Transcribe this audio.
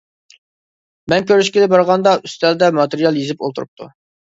مەن كۆرۈشكىلى بارغاندا، ئۈستەلدە ماتېرىيال يېزىپ ئولتۇرۇپتۇ.